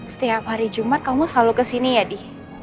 setiap hari jumat kamu selalu kesini ya di